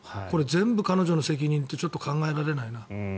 これは全部彼女の責任って考えられないな。